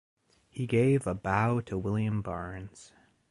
He gave "a bow to William Barnes".